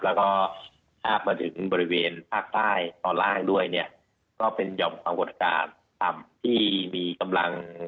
แล้วก็ข้ามมาถึงบริเวณภาคใต้ตอนล่างด้วยเนี่ยก็เป็นห่อมความกดอากาศต่ำที่มีกำลัง